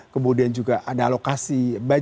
kemudian juga ada alokasi banjir